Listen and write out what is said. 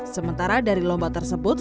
sementara dari lomba tersebut